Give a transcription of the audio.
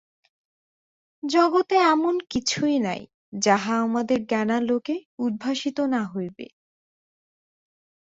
জগতে এমন কিছুই নাই, যাহা আমাদের জ্ঞানালোকে উদ্ভাসিত না হইবে।